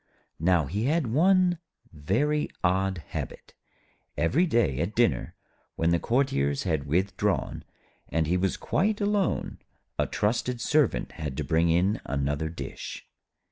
Now he had one very odd habit. Every day at dinner, when the courtiers had withdrawn, and he was quite alone, a trusted Servant had to bring in another dish.